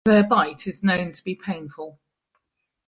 Their bite is known to be painful.